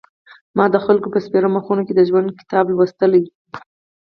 ما د خلکو په سپېرو مخونو کې د ژوند کتاب لوستلو.